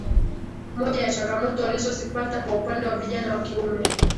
Moja ya changamoto walizozipata kwa upande wa vijana wa kiume